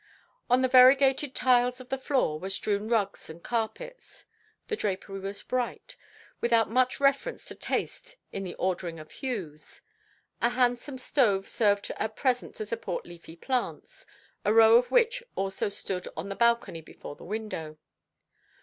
On the variegated tiles of the floor were strewn rugs and carpets; the drapery was bright, without much reference to taste in the ordering of hues; a handsome stove served at present to support leafy plants, a row of which also stood on the balcony before the window.